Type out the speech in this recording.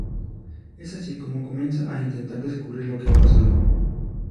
Es así como comienza a intentar descubrir lo que ha pasado.